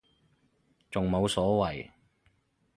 仲冇所謂